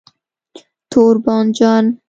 🍆 تور بانجان